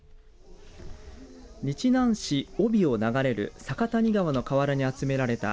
日南市飫肥を流れる酒谷川の河原に集められた